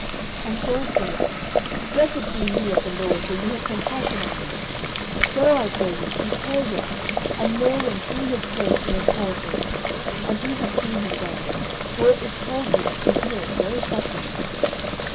09:023:021 And Saul said, Blessed be ye of the LORD; for ye have compassion on me. 09:023:022 Go, I pray you, prepare yet, and know and see his place where his haunt is, and who hath seen him there: for it is told me that he dealeth very subtilly.